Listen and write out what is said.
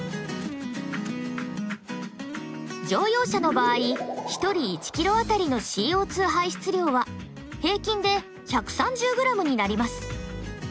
乗用車の場合１人１ｋｍあたりのＣＯ排出量は平均で１３０ｇになります。